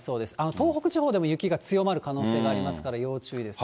東北地方でも雪が強まる可能性がありますから要注意ですね。